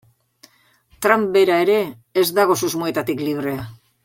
Trump bera ere ez dago susmoetatik libre.